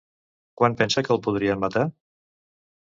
Quan pensa que el podrien matar?